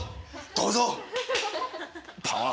どうぞ！